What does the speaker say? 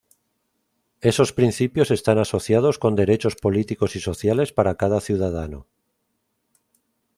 Esos principios están asociados con derechos políticos y sociales para cada ciudadano.